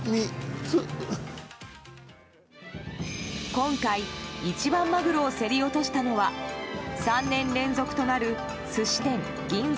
今回、一番マグロを競り落としたのは３年連続となる、寿司店銀座